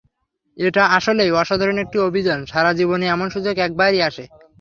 এটা আসলেই অসাধারণ একটি অভিযান, সারা জীবনে এমন সুযোগ একবারই আসে।